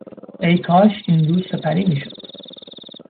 ای کاش این روز سپری میشد!